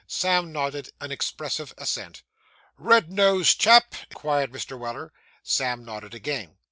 Sam nodded an expressive assent. 'Red nosed chap?' inquired Mr. Weller. Sam nodded again.